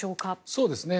そうですね。